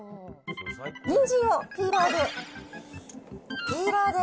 にんじんをピーラーで。